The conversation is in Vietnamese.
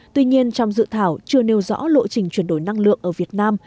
tuy nhiên trong dự thảo chưa nêu rõ lộ trình chuyển đổi năng lượng ở việt nam